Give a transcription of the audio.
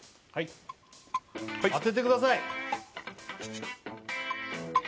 はい当ててください！